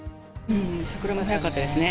桜も早かったですね。